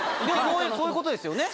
そういうことですよね